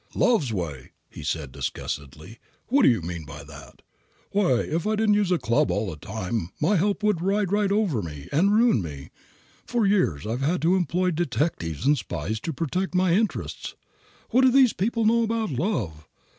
"Love's way!" he said disgustedly. "What do you mean by that? Why, if I didn't use a club all the time my help would ride right over me and ruin me. For years I have had to employ detectives and spies to protect my interests. What do these people know about love?